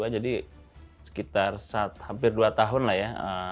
jadi sekitar hampir dua tahun lah ya